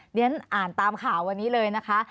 เรียนอ่านตามข่าววันนี้เลยนะคะ